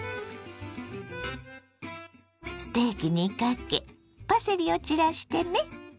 ステーキにかけパセリを散らしてね。